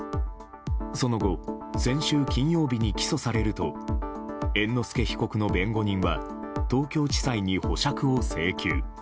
その後先週金曜日に起訴されると猿之助被告の弁護人は東京地裁に保釈を請求。